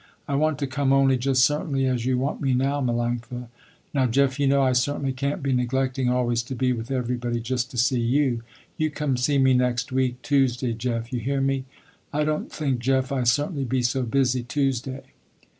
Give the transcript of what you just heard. "I want to come only just certainly as you want me now Melanctha." "Now Jeff you know I certainly can't be neglecting always to be with everybody just to see you. You come see me next week Tuesday Jeff, you hear me. I don't think Jeff I certainly be so busy, Tuesday."